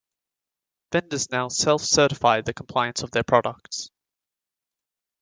Vendors now self-certify the compliance of their products.